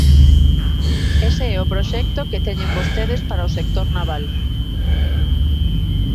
Ese é o proxecto que teñen vostedes para o sector naval.